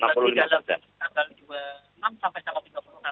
nanti dalam tanggal dua puluh enam sampai tanggal tiga puluh enam